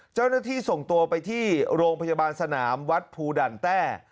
เจ้าหน้าที่ส่งตัวไปที่โรงพยาบาลสนามวัดภูดันแต้